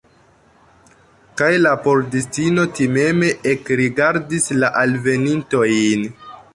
Kaj la pordistino timeme ekrigardis la alvenintojn.